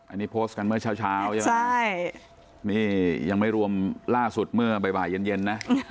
อันนี้โพสต์กันเมื่อเช้าใช่ไหมใช่นี่ยังไม่รวมล่าสุดเมื่อบ่ายเย็นนะ